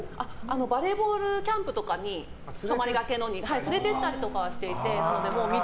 バレーボールキャンプとかに泊りがけのに連れて行ったりとかはしていて。